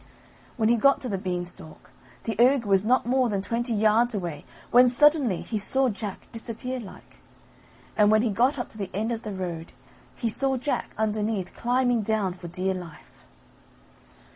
When he got to the beanstalk the ogre was not more than twenty yards away when suddenly he saw Jack disappear like, and when he got up to the end of the road he saw Jack underneath climbing down for dear life.